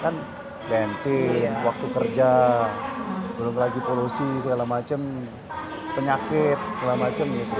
kan bensin waktu kerja belum lagi polusi segala macam penyakit segala macam gitu